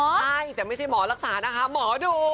ใช่แต่ไม่ใช่หมอรักษานะคะหมอดู